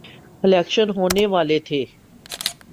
election ہونے والے تھے